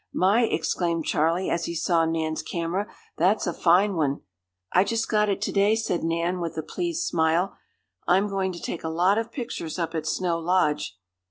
"My!" exclaimed Charley, as he saw Nan's camera, "that's a fine one!" "I just got it to day," said Nan, with a pleased smile. "I'm going to take a lot of pictures up at Snow Lodge."